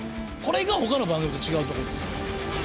これがほかの番組と違うところです。